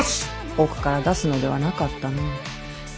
奥から出すのではなかったの。